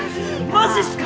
マジっすか？